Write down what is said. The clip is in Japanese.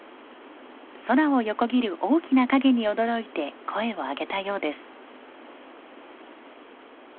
空を横切る大きな影に驚いて声を上げたようです。